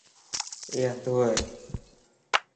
اي انڌو هي.